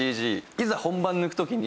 いざ本番抜く時に。